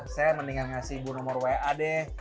saya mendingan ngasih ibu nomor wa deh